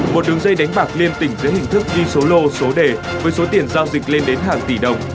một đường dây đánh bạc liên tỉnh dưới hình thức ghi số lô số đề với số tiền giao dịch lên đến hàng tỷ đồng